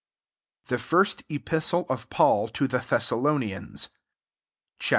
THE FIRST EPISTLE OF PAUL TO THE THESSALONIANS. CHAP. I.